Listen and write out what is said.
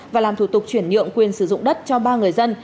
và làm thủ tục chuyển nhượng quyền sử dụng đất cho ba người dân